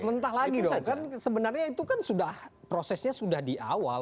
mentah lagi kok kan sebenarnya itu kan sudah prosesnya sudah di awal